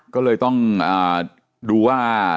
ก็เลยต้องดูว่า